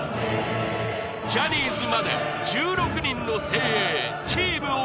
ジャニーズまで１６人の精鋭チーム鬼